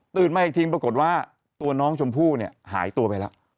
ตื่นมาอีกทีปรากฏว่าตัวน้องชมพู่หายตัวไปแล้ว